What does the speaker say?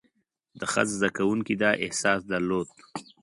د خط زده کوونکي دا احساس درلود.